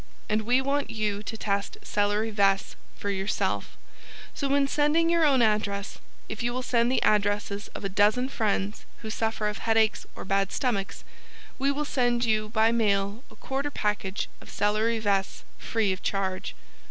And we want you to test CELERY VESCE for yourself. So when sending your own address, if you will send the addresses of a dozen friends who suffer of HEADACHES or BAD STOMACHS we will send you by mail a quarter package of CELERY VESCE free of charge.